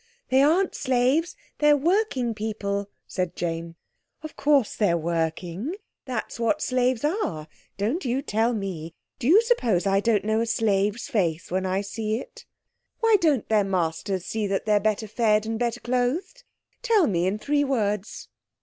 "They aren't slaves; they're working people," said Jane. "Of course they're working. That's what slaves are. Don't you tell me. Do you suppose I don't know a slave's face when I see it? Why don't their masters see that they're better fed and better clothed? Tell me in three words."